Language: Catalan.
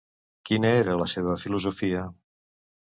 Quina era la seva filosofia?